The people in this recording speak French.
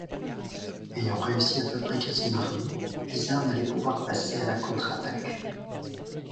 Ayant réussi à fabriquer son armée, Isarn allait pouvoir passer à la contre-attaque.